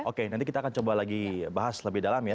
oke nanti kita akan coba lagi bahas lebih dalam ya